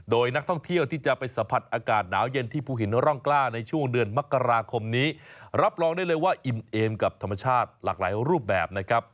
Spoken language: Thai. โดยนักท่องเที่ยวที่จะไปสัมผัสอากาศหนาวเย็นที่ภูหินร่องกล้าในช่วงเดือนมกราคมนี้รับรองได้เลยว่าอิ่มเอมกับธรรมชาติหลากหลายรูปแบบนะครับ